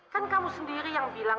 kan kamu sendiri yang bilang